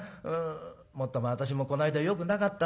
もっとも私もこの間よくなかったね。